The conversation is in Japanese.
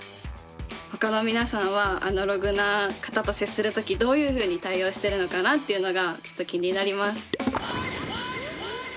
他の皆さんはアナログな方と接する時どういうふうに対応してるのかなっていうのがちょっと気になります。